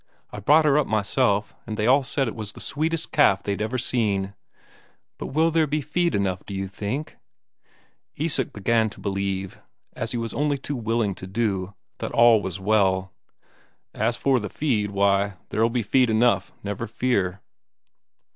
I brought her up myself, and they all said it was the sweetest calf they'd ever seen. But will there be feed enough here d'you think?" Isak began to believe, as he was only too willing to do, that all was well. "As for the feed, why, there'll be feed enough, never fear."